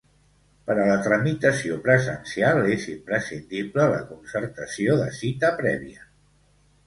Per a la tramitació presencial és imprescindible la concertació de cita prèvia.